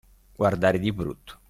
Guardare di brutto.